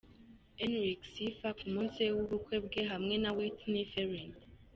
Enric Sifa ku munsi w'ubukwe bwe hamwe na Whitney Ferrin .